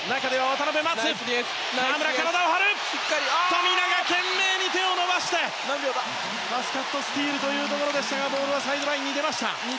富永が懸命に手を伸ばしてパスカットスチールというところでしたがボールはサイドラインに出ました。